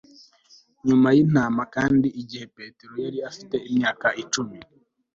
nyuma y'intama, kandi igihe petero yari afite imyaka icumi